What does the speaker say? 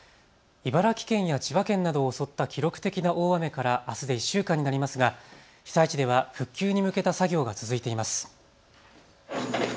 茨城県や千葉県などを襲った記録的な大雨からあすで１週間になりますが被災地では復旧に向けた作業が続いています。